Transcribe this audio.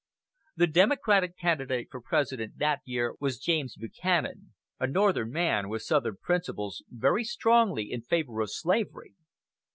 The Democratic candidate for President that year was James Buchanan, "a Northern man with Southern principles," very strongly in favor of slavery.